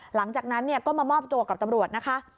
หลังจากนั้นก็มามอบตัวกับตำรวจนะคะ